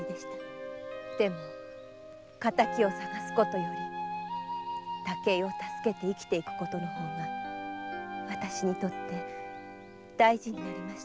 でも敵を捜すより武井を助けて生きていく方がわたしにとって大事になりました。